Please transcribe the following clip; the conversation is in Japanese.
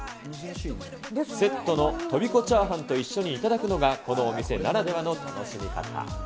セットのとびこチャーハンと一緒にいただくのが、このお店ならではの楽しみ方。